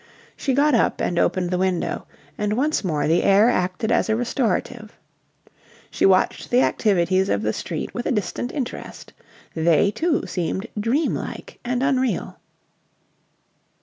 She got up and opened the window, and once more the air acted as a restorative. She watched the activities of the street with a distant interest. They, too, seemed dreamlike and unreal.